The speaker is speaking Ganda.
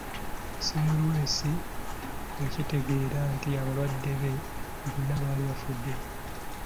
Semmelwesi yakitegeera nti abalwadde be bonna baali bafudde.